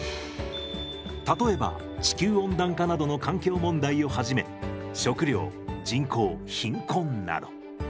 例えば地球温暖化などの環境問題をはじめ食糧人口貧困など。